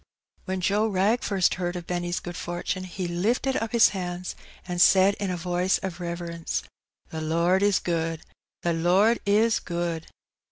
When Joe Wrag first heard of Benny's good fortune he lifted up his hands^ and said in a voice of reverence —" The Lord is good ! the Lord is good